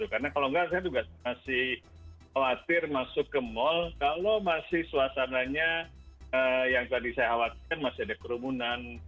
karena kalau nggak saya juga masih khawatir masuk ke mall kalau masih suasananya yang tadi saya khawatir masih ada kerumunan